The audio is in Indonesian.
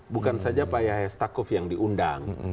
bukan saja pak yahya stakuf yang diundang